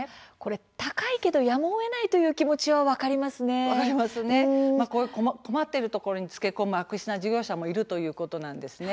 高いけれどもやむをえないという気持ちは困っているところにつけ込む悪質な事業者もいるということなんです。